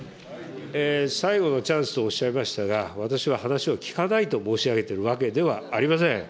最後のチャンスとおっしゃいましたが、私は話を聞かないと申し上げているわけではありません。